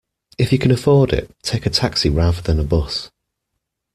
If you can afford it, take a taxi rather than a bus